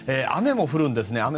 雨も降るんですね。